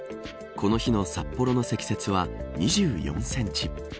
この日の札幌の積雪は２４センチ。